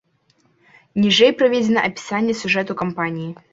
Ніжэй прыведзена апісанне сюжэту кампаніі.